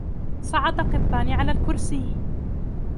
صعد قطان على الكرسي.